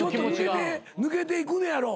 抜けていくんやろ。